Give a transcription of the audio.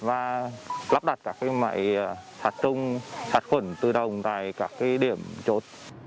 và lắp đặt các mạy sát trung sát khuẩn tự động tại các điểm chốt